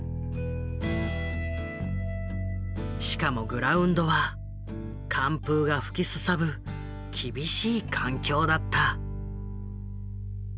しかもグラウンドは寒風が吹きすさぶ厳しい環境だった。